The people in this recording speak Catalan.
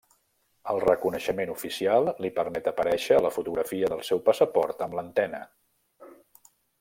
El reconeixement oficial li permet aparèixer a la fotografia del seu passaport amb l'antena.